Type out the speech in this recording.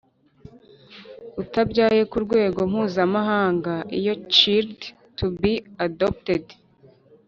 utabyaye ku rwego mpuzamahanga iyo child to be adopted